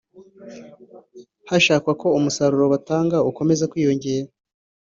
hashakwa ko umusaruro batanga ukomeza kwiyongera